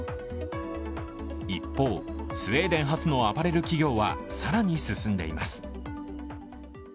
一方、スウェーデン発のアパレル企業は更に進んでいます。